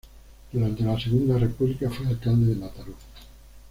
Durante la Segunda República fue alcalde de Mataró.